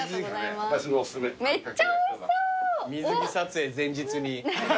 水着撮影前日に。